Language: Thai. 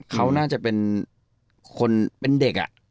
เขาน่าจะเป็นคนเป็นเด็ก